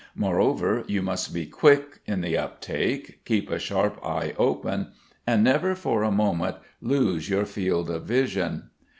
Moreover, you must be quick in the uptake, keep a sharp eye open, and never for a moment lose your field of vision.